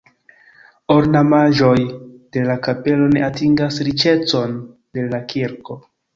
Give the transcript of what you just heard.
Ornamaĵoj de la kapelo ne atingas riĉecon de la kirko.